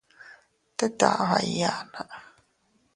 Teet afba iyana.